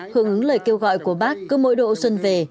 hướng ứng lời kêu gọi của bác cư mỗi độ xuân về